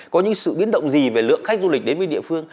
có những sự biến động gì về lượng khách du lịch đến với địa phương